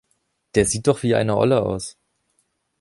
Der sieht doch wie eine Olle aus.